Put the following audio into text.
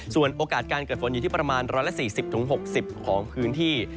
ส่วนโอกาสการเกิดฝนอยู่ที่ประมาณ๑๔๐๖๐ของพื้นที่